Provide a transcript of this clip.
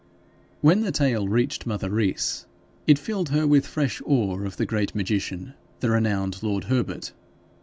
When the tale reached mother Rees, it filled her with fresh awe of the great magician, the renowned lord Herbert.